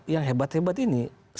yang hebat hebat ini